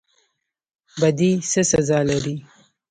بدی څه سزا لري؟